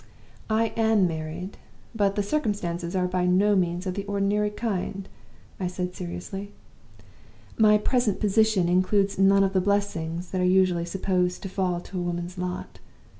"'I am married; but the circumstances are by no means of the ordinary kind,' I said, seriously. My present position includes none of the blessings that are usually supposed to fall to a woman's lot.